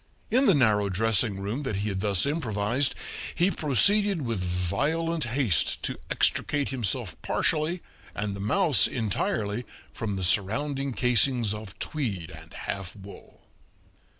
In the narrow dressing room that he had thus improvised he proceeded with violent haste to extricate himself partially and the mouse entirely from the surrounding casings of tweed and half wool.